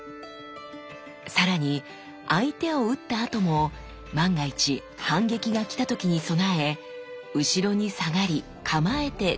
さらに相手を打ったあとも万が一反撃が来た時に備え後ろに下がり構えて注意を払うんです。